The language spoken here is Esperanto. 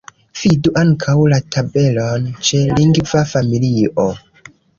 Vidu ankaŭ la tabelon ĉe lingva familio.